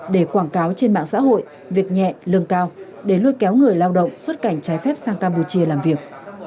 để quảng cáo trên mạng xã hội việc nhẹ lương cao để lôi kéo người lao động xuất cảnh trái phép sang campuchia làm việc